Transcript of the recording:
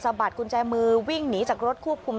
บัดกุญแจมือวิ่งหนีจากรถควบคุม